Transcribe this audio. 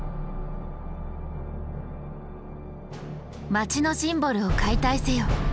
街のシンボルを解体せよ！